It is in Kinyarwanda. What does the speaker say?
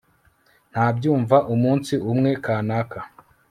nabyumva umunsi umwe, kanaka